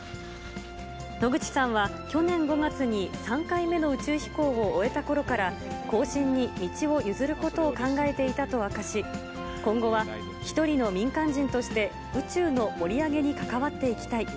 野口さんは去年５月に３回目の宇宙飛行を終えたころから、後進に道を譲ることを考えていたと明かし、今後は、一人の民間人として、宇宙の盛り上げに関わっていきたい。